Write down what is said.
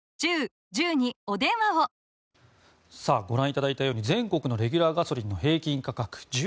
ご覧いただいたように全国のレギュラーガソリンの平均価格